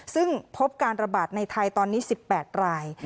ซึ่งพบการระบาดในไทยตอนนี้๑๘ราย